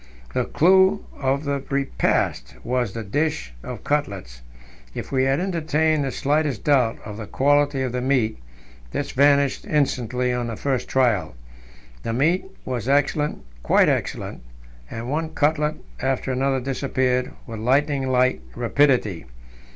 The clou of the repast was the dish of cutlets. If we had entertained the slightest doubt of the quality of the meat, this vanished instantly on the first trial. The meat was excellent, quite excellent, and one cutlet after another disappeared with lightning like rapidity.